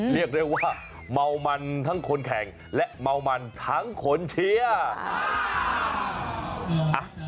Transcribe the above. เรียกได้ว่าเมามันทั้งคนแข่งและเมามันทั้งคนเชียร์